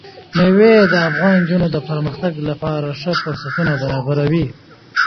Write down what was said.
مېوې د افغان نجونو د پرمختګ لپاره ښه فرصتونه برابروي.